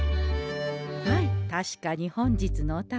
はい確かに本日のお宝